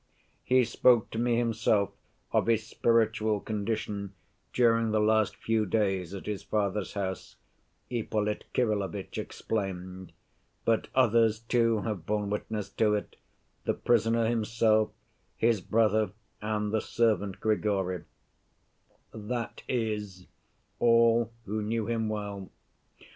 "He spoke to me himself of his spiritual condition during the last few days at his father's house," Ippolit Kirillovitch explained; "but others too have borne witness to it—the prisoner himself, his brother, and the servant Grigory—that is, all who knew him well.